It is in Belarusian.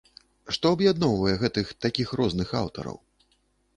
Што аб'ядноўвае гэтых такіх розных аўтараў?